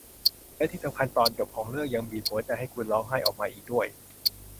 และที่สำคัญตอนจบของเรื่องยังบีบหัวใจให้คุณร้องไห้ออกมาอีกด้วย